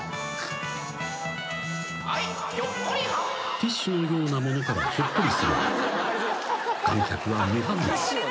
［ティッシュのようなものからひょっこりするが観客は］